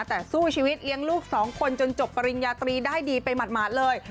แต่สู้ชีวิตเลี้ยงลูกสองคนจนจบปริญญาตรีได้ดีไปหมาดเลย